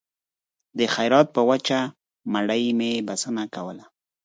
د خیرات په وچه مړۍ مې بسنه کوله